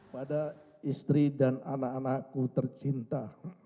pada istri dan anak anakku tercinta